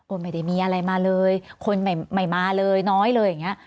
ไม่ได้มีอะไรมาเลยคนไม่มาเลยน้อยเลยอย่างเงี้